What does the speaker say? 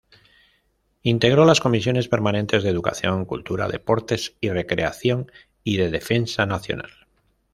Integró las comisiones permanentes de Educación, Cultura, Deportes y Recreación, y de Defensa Nacional.